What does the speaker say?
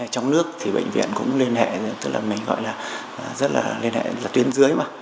trong nước thì bệnh viện cũng liên hệ tức là mình gọi là rất là liên hệ là tuyến dưới mà